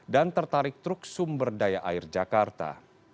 dan tertarik truk sumber daya air jakarta